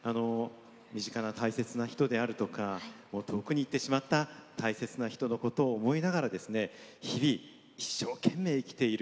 身近な大切な人だとか遠くにいってしまった大切な人のことを思いながら日々、一生懸命生きている。